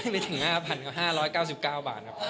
ไม่ถึง๕๕๙๙บาทครับ